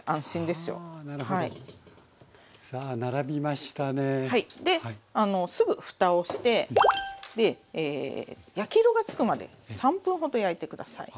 ですぐふたをして焼き色がつくまで３分ほど焼いて下さい。